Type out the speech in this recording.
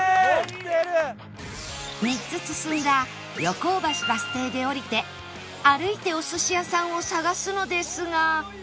３つ進んだ横尾橋バス停で降りて歩いてお寿司屋さんを探すのですが